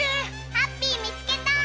ハッピーみつけた！